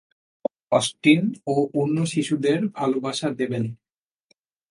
Austen ও অন্য শিশুদের ভালবাসা দেবেন।